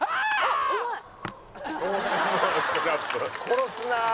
「殺すなあ」